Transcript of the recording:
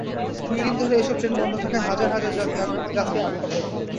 দুই দিন ধরে এসব ট্রেন বন্ধ থাকায় হাজার হাজার যাত্রী আটকা পড়ে।